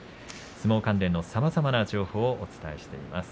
相撲関連のさまざまな情報をお伝えしています。